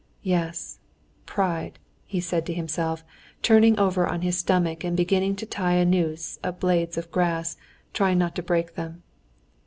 Yes, pride," he said to himself, turning over on his stomach and beginning to tie a noose of blades of grass, trying not to break them.